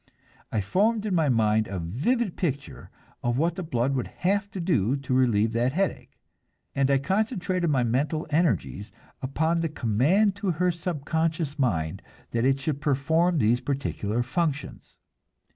I formed in my mind a vivid picture of what the blood would have to do to relieve that headache, and I concentrated my mental energies upon the command to her subconscious mind that it should perform these particular functions.